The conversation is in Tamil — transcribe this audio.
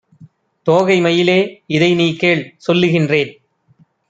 தோகை மயிலே! இதைநீகேள் சொல்லுகின்றேன்.